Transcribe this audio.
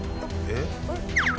えっ！？